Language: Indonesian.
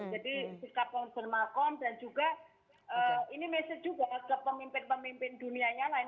jadi sikap presiden markom dan juga ini mesej juga kepada pemimpin pemimpin dunianya lain